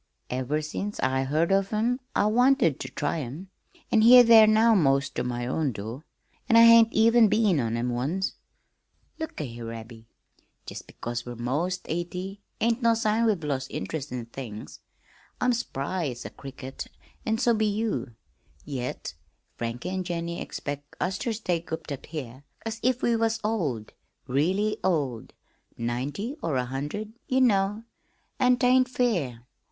Ever since I heard of 'em I wanted ter try 'em. An' here they are now 'most ter my own door an' I hain't even been in 'em once. Look a' here, Abby, jest because we're 'most eighty ain't no sign we've lost int'rest in things. I'm spry as a cricket, an' so be you, yet Frank an' Jennie expect us ter stay cooped up here as if we was old really old, ninety or a hundred, ye know an' 't ain't fair.